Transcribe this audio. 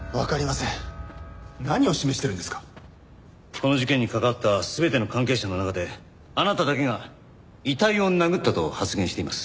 この事件に関わった全ての関係者の中であなただけが「遺体を殴った」と発言しています。